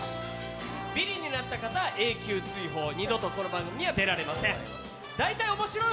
ビリになった方は永久追放二度とこの番組には出られませんおーい！